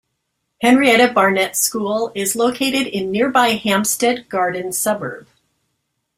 Henrietta Barnett School is located in nearby Hampstead Garden Suburb.